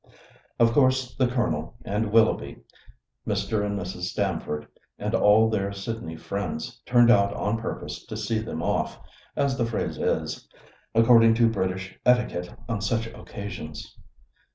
Of course the Colonel and Willoughby, Mr. and Mrs. Stamford, and all their Sydney friends turned out on purpose to "see them off" as the phrase is, according to British etiquette on such occasions.